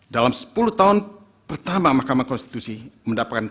dalam sepuluh tahun pertama mahkamah konstitusi mendapatkan